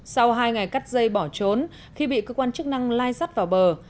sau hai ngày cắt dây bỏ trốn khi bị cơ quan chức năng lai dắt vào bờ